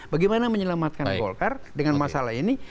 bagaimana menyelamatkan golkar dengan masalah ini